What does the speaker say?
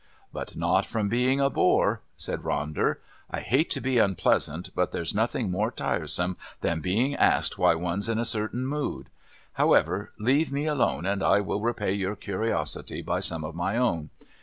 "But not from being a bore," said Ronder. "I hate to be unpleasant, but there's nothing more tiresome than being asked why one's in a certain mood. However, leave me alone and I will repay your curiosity by some of my own.